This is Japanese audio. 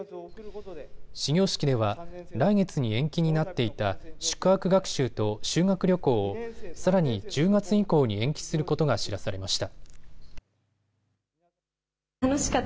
始業式では来月に延期になっていた宿泊学習と修学旅行をさらに１０月以降に延期することが知らされました。